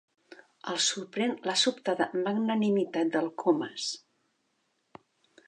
El sorprèn la sobtada magnanimitat del Comas.